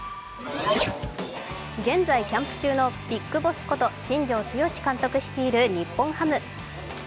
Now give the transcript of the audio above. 現在、キャンプ中のビッグボスこと新庄剛志監督率いる日本ハム。